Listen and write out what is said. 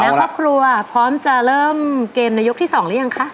และครอบครัวพร้อมจะเริ่มเกมในยกที่๒หรือยังคะ